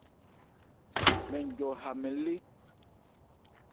Mɛn jɔ ha mɛn lé.